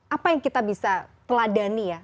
apa yang kita bisa teladani ya